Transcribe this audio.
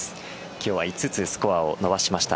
今日は５つスコアを伸ばしました。